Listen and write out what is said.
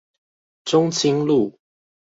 中清路